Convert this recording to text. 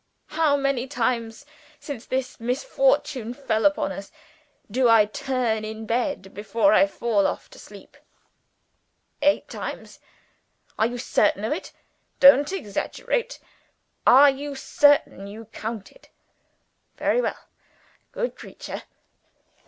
How many times since this misfortune fell upon us do I turn in bed before I fall off to sleep? Eight times? Are you certain of it? Don't exaggerate! Are you certain you counted! Very well: good creature!